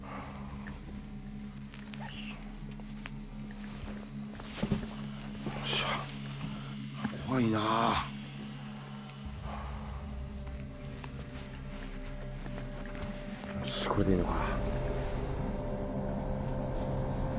よっしゃよっしゃ怖いなよしこれでいいのか？